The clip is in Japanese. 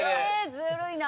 ずるいな。